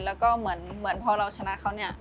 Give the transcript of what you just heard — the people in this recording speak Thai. แล้วก็เหมือนพอเราชนะเขาเนี่ย